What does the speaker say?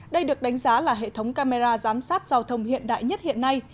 đây được đánh giá là hệ thống camera giám sát giao thông hiện đại nhất hiện nay